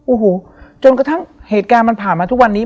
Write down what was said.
โอ้โหจนกระทั่งเหตุการณ์มันผ่านมาทุกวันนี้